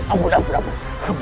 ampun ampun ampun